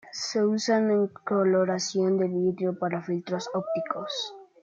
Se usa en coloración de vidrio para filtros ópticos.